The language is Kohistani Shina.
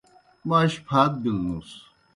موْ اش پھات بِلوْنُس۔